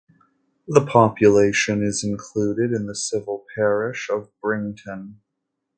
The population is included in the civil parish of Brington.